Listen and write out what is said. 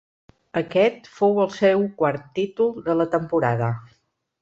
Aquest fou el seu quart títol de la temporada.